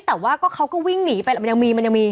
แต่ว่าก็เขาก็วิ่งหนีไปมันยังมีมันยังมี